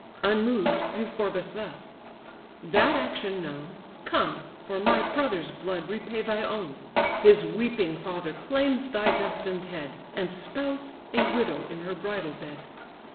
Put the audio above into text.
Unmoved, Euphorbus thus: "That action known, Come, for my brother's blood repay thy own. His weeping father claims thy destined head, And spouse, a widow in her bridal bed.